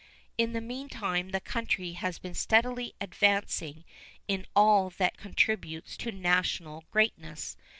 In the meantime the country has been steadily advancing in all that contributes to national greatness.